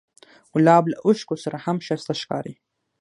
ګلاب له اوښکو سره هم ښایسته ښکاري.